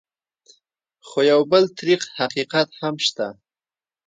خو یو بل تريخ حقیقت هم شته: